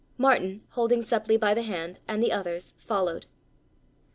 Martin, holding Seppli by the hand, and the others followed.